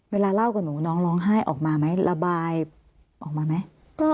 เวลาเล่ากับหนูน้องร้องไห้ออกมาไหมระบายออกมาไหม